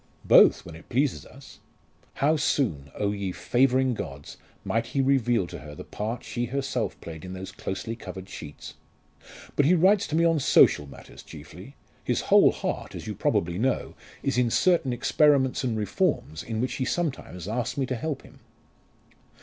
"Both, when it pleases us!" How soon, oh! ye favouring gods, might he reveal to her the part she herself played in those closely covered sheets? "But he writes to me on social matters chiefly. His whole heart, as you probably know, is in certain experiments and reforms in which he sometimes asks me to help him."